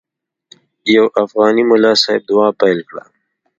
یو افغاني ملا صاحب دعا پیل کړه.